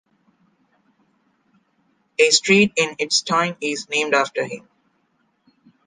A street in Idstein is named after him.